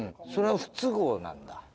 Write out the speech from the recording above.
それは不都合なんだ。